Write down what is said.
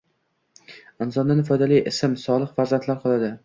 Insondan foydali ilm, solih farzandlar qoladi